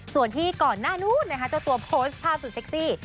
ส่วนที่ก่อนหน้านู้นนะคะเจ้าตัวโพสต์ภาพสุดเซ็กซี่